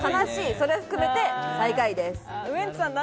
それを含めて最下位です。